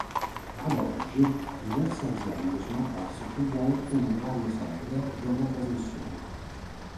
Ad oggi, diverse aziende sono apparse più volte nelle varie serie della trasmissione.